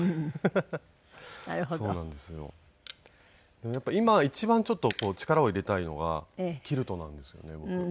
でもやっぱり今一番ちょっと力を入れたいのがキルトなんですよね僕。